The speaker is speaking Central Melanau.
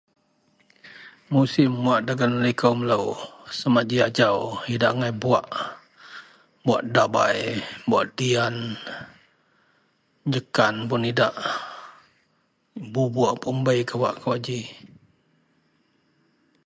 musim wak dagen liko melou sama ji ajau, idak angai buwak, buwak dabai, buwak dian jekan pun idak, bubuk pun bei kawak-kawak ji